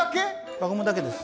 輪ゴムだけです。